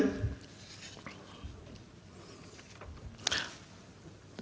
ada lagi data yang lain